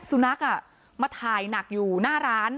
สุนัขมาถ่ายหนักอยู่หน้าร้าน